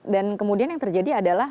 dan kemudian yang terjadi adalah